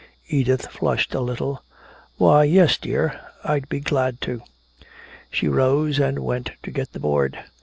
Edith flushed a little: "Why, yes, dear, I'd be glad to." She rose and went to get the board.